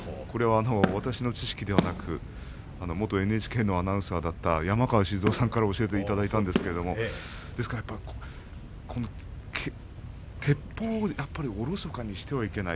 私の知識ではなく元ＮＨＫのアナウンサーだった山川静夫さんから教えていただいたんですけれどてっぽうもおろそかにしてはいけない。